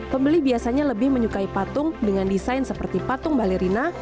pembeli biasanya lebih menyukai patung dengan desain seperti patung balerina